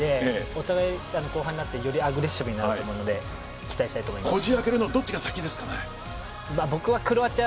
お互い、後半になってよりアグレッシブになると思うので期待したいと思います。